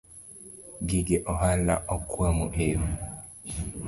Gige ohala okwamo eyo